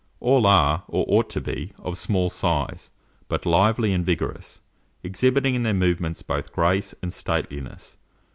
All are, or ought to be, of small size, but lively and vigorous, exhibiting in their movements both grace and stateliness.